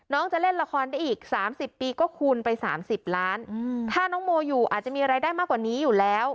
น้องจะเล่นละครได้อีกสามสิบปีก็คูณไปสามสิบล้านอืมถ้าน้องโมอยู่อาจจะมีรายได้มากกว่านี้อยู่แล้ว